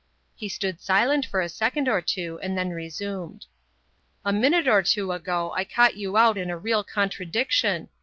He stood silent for a second or two and then resumed. "A minute or two ago I caught you out in a real contradiction.